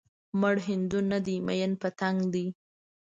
مړ هندو نه دی ميئن پتنګ دی